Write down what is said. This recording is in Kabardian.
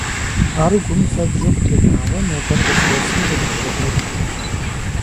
Ар гум фэбжьу къытенауэ нобэр къыздэсым къыздызохьэкӀ.